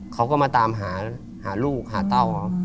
เขาก็มาตามหาลูกหาเต้าครับ